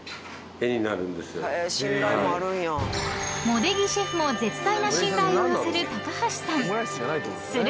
［茂出木シェフも絶大な信頼を寄せる高橋さん］